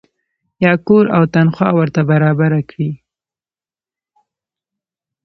یا کور او تنخوا ورته برابره کړي.